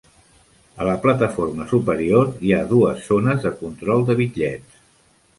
A la plataforma superior, hi ha dues zones de control de bitllets.